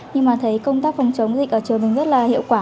nhưng mà thấy công tác phòng chống dịch ở trường mình rất là hiệu quả